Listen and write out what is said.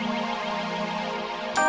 wah makasih kabar semua